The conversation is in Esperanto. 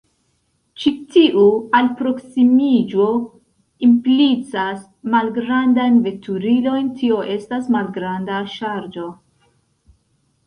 Ĉi tiu alproksimiĝo implicas malgrandajn veturilojn, tio estas malgranda ŝarĝo.